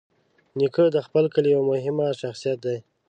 نیکه د خپل کلي یوه مهمه شخصیت دی.